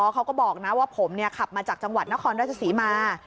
เขาก็บอกนะว่าผมขับมาจากจังหวัดนครราชศรีมา